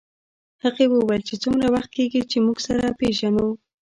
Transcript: هغې وویل چې څومره وخت کېږي چې موږ سره پېژنو